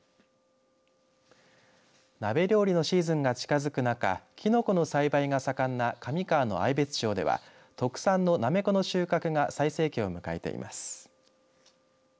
鍋料理のシーズンが近づく中きのこの栽培が盛んな上川の愛別町では特産のなめこの収穫が最盛期を迎えています。